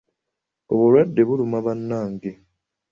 Obulwadde buluma bannange!